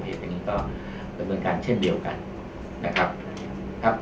พบเหตุอย่างงี้ก็เป็นเหมือนกันเช่นเดียวกันนะครับครับ